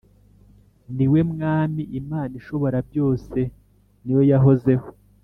Ni we Mwami Imana Ishoborabyose ni yo yahozeho